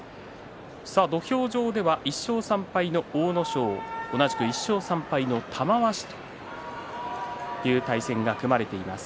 土俵上は１勝３敗の阿武咲同じく１勝３敗の玉鷲という対戦が組まれています。